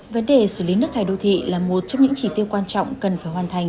vấn đề xử lý nước thải đô thị là một trong những chỉ tiêu quan trọng cần phải hoàn thành